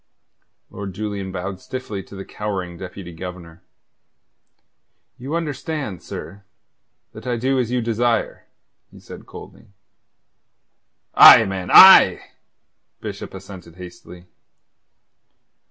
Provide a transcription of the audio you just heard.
Lord Julian bowed stiffly to the cowering Deputy Governor. "You understand, sir, that I do as you desire," he said coldly. "Aye, man, aye!" Bishop assented hastily.